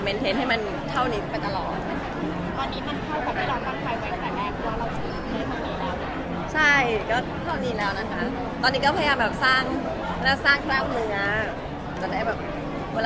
รักษาให้มันอยู่เท่านี้น่ะแล้วตอนนี้ก็ยังแบบยังแอบ